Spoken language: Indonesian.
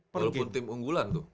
walaupun tim unggulan tuh